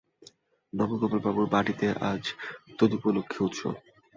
নবগোপাল বাবুর বাটীতে আজ তদুপলক্ষে উৎসব।